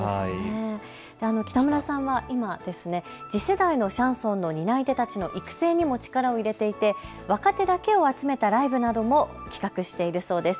北村さんは今、次世代のシャンソンの担い手たちの育成にも力を入れていて若手だけを集めたライブなども企画しているそうです。